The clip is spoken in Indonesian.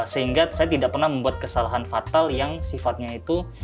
sehingga saya tidak pernah membuat kesalahan fatal yang sifatnya itu